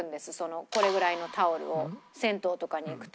これぐらいのタオルを銭湯とかに行くと。